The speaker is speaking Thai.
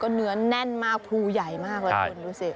เนื้อแน่นมากพลูใหญ่มากเลยคุณดูสิ